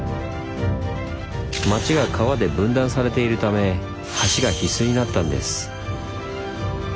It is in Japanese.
町が川で分断されているため橋が必須になったんです。